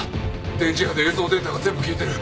電磁波で映像データが全部消えてる。